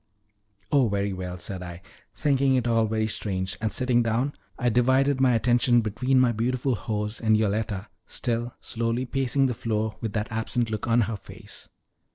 "Oh, very well," said I, thinking it all very strange, and sitting down I divided my attention between my beautiful hose and Yoletta, still slowly pacing the floor with that absent look on her face.